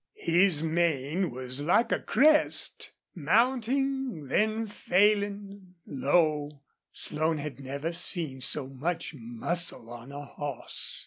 His mane was like a crest, mounting, then failing low. Slone had never seen so much muscle on a horse.